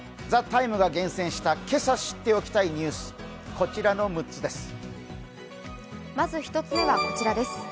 「ＴＨＥＴＩＭＥ，」が厳選したけさ知っておきたいニュース、こちらの６つです。